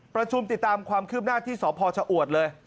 ประชุมติดตามความคืบหน้าที่สพชะอวดเลย